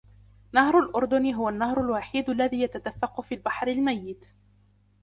نهر الأردن هو النهر الوحيد الذي يتدفق في البحر الميت.